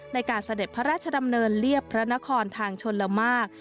เสด็จพระราชดำเนินเรียบพระนครทางชนละมาก